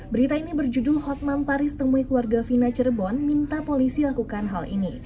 berita ini berjudul hotmam paris temui keluarga vina cirebon minta polisi lakukan hal ini